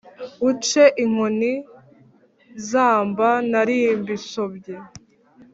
Uce inkoni zamba narimbisobwe